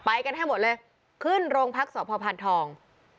ไปกันให้หมดเลยขึ้นโรงพักษ์สวพพันธ์ทอง